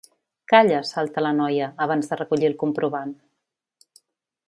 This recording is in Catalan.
Calla, salta la noia abans de recollir el comprovant.